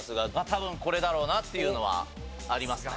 多分これだろうなっていうのはありますね。